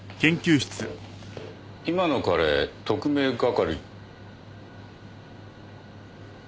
今の彼特命係。